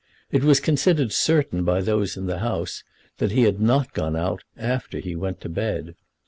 It was considered certain by those in the house that he had not gone out after he went to bed.